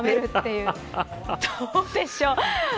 どうでしょう。